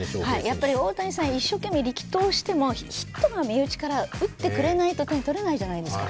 やっぱり大谷さん、一生懸命力投しても、ヒットを身内が打ってくれないと点を取れないじゃないですか。